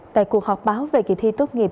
tại cuộc họp báo về kỳ thi tốt nghiệp